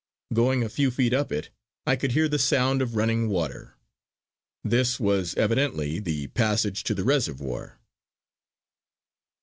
Going a few feet up it I could hear the sound of running water. This was evidently the passage to the reservoir.